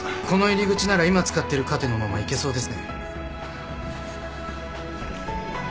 この入り口なら今使ってるカテのままいけそうですね。